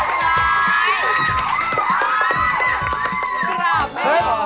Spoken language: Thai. กิราภัย